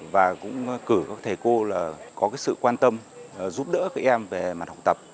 và cũng cử các thầy cô có sự quan tâm giúp đỡ các em về mặt học tập